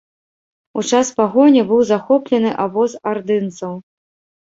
У час пагоні быў захоплены абоз ардынцаў.